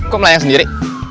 kok melayang sendiri